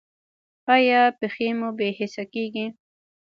ایا پښې مو بې حسه کیږي؟